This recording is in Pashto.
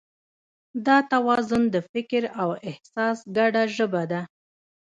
دا توازن د فکر او احساس ګډه ژبه ده.